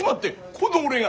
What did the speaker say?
この俺が！